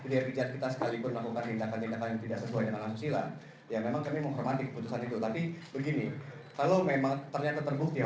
ya ini kita sedang cari bersama sama jalan terbaik untuk kita dan pemerintah tentunya